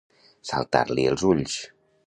Saltar-li els ulls.